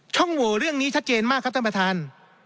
โหวเรื่องนี้ชัดเจนมากครับท่านประธาน